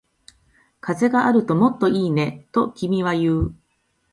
風があるともっといいね、と君は言う